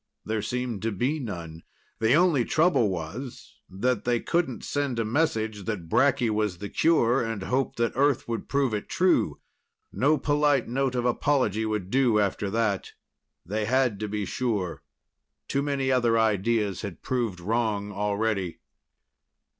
There seemed to be none. The only trouble was that they couldn't send a message that bracky was the cure and hope that Earth would prove it true. No polite note of apology would do after that. They had to be sure. Too many other ideas had proved wrong already.